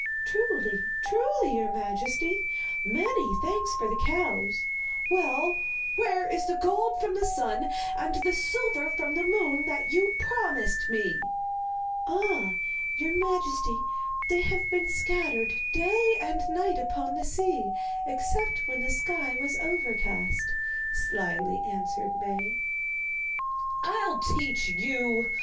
'Truly, truly, your majesty. Many thanks for the cows.' 'Well, where is the gold from the sun and the silver from the moon that you promised me?' 'Ah, your majesty, they have been scattered day and night upon the sea, except when the sky was overcast,' slyly answered Maie. 'I'll teach you!